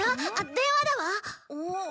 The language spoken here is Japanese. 電話だわ。